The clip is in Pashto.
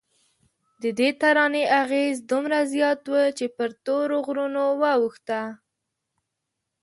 ددې ترانې اغېز دومره زیات و چې پر تورو غرونو واوښته.